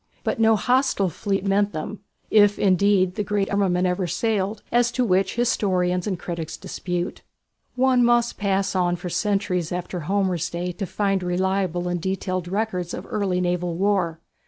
But no hostile fleet met them, if indeed the great armament ever sailed, as to which historians and critics dispute. One must pass on for centuries after Homer's day to find reliable and detailed records of early naval war.